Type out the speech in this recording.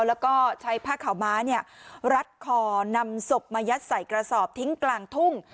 แล้วก็ใช้ผ้าขาวม้ารัดคอนำศพมายัดใส่กระสอบทิ้งกลางทุ่ง